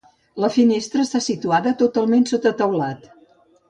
La finestra està situada totalment sota teulat.